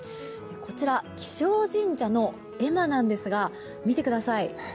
こちら、気象神社の絵馬なんですが見てください。